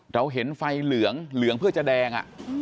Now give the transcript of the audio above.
เราเห็นไฟเหลืองเหลืองเพื่อจะแดง